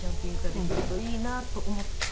できるといいなと思って。